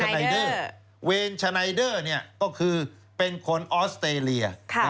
วีนชันไนเดอร์นี่ก็คือเป็นคนออสเตรเลีย